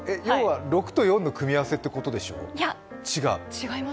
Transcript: ６と４の組み合わせってことでしょ？